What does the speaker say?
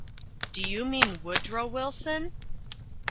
"Do you mean Woodrow Wilson?"